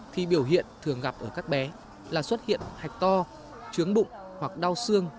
khi biểu hiện thường gặp ở các bé là xuất hiện hạch to trướng bụng hoặc đau xương